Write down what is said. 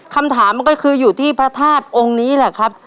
คำถามมันก็คืออยู่ที่พระธาตุองค์นี้แหละครับ